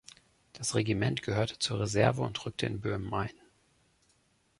Das Regiment gehörte zur Reserve und rückte in Böhmen ein.